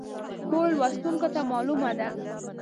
ټولو لوستونکو ته معلومه ده.